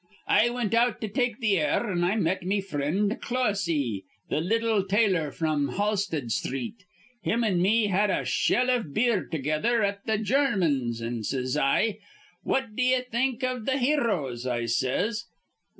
"I wint out to take th' air, an' I met me frind Clohessy, th' little tailor fr'm Halsted Sthreet. Him an' me had a shell iv beer together at th' German's; an' says I, 'What d'ye think iv th' heroes?' I says.